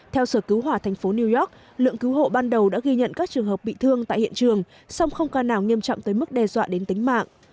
theo sở cứu hỏa thành phố new york lượng cứu hộ ban đầu đã ghi nhận các trường hợp bị thương tại hiện trường song không ca nào nghiêm trọng tới mức đe dọa đến tính mạng